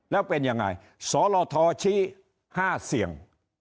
แล้วเป็นยังไงสลทชี้๕เสียง